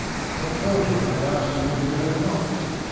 I told him I’d ask you if he could have a knock.